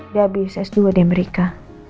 dia bisa s dua di amerika